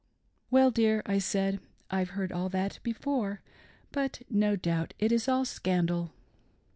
" Well dear," I said, " I've heard all that before, but no doubt it is all scandal."